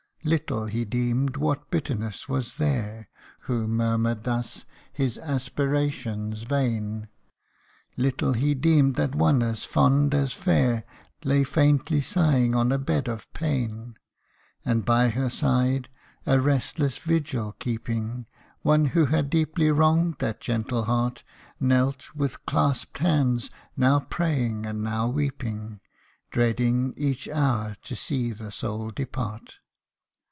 245 Little he deemed what bitterness was there, Who murmured thus his aspirations vain, Little he deemed that one as fond as fair Lay faintly sighing on a bed of pain : And by her side, a restless vigil keeping, One who had deeply wronged that gentle heart Knelt with clasped hands ; now praying, and now weeping ; Dreading, each hour, to see the soul depart.